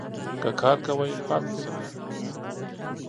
که کار کوی ؟ پاته سئ